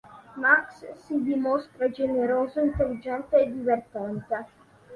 Max si dimostra generoso, intelligente e divertente.